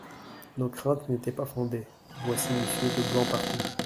Nos craintes n’étaient pas fondées… voici Monsieur de Blancpartout.